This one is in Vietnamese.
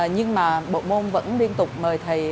nhưng mà bộ môn vẫn liên tục mời thầy